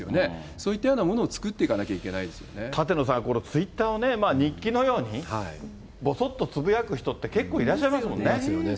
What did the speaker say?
そういったようなものを作ってい舘野さん、このツイッターね、日記のように、ぼそっとつぶやく人って、結構いらっしゃいますもいますよね。